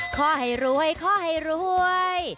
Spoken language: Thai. ขอให้รวยขอให้รวย